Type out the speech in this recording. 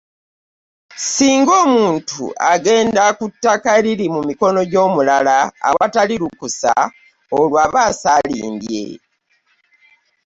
Singa omuntu agenda ku ttaka eriri mu mikono gy’omulala awatali lukusa olwo aba asaalimbye.